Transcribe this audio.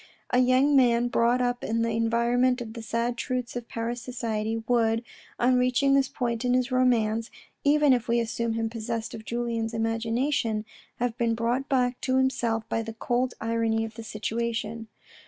A young man brought up in the environment of the sad truths of Paris society, would, on reaching this point in his romance, even if we assume him possessed of Julien's imagina tion, have been brought back to himself by the cold irony of the situation.